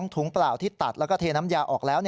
ถุงเปล่าที่ตัดแล้วก็เทน้ำยาออกแล้ว